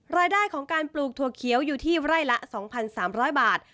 รายได้ของการปลูกถั่วเขียวอยู่ที่ไร่ละ๒๓๐๐บาท